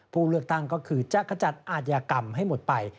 ผู้เลือกตั้งก็คือจะขจัดอาทยากรรมให้หมดไป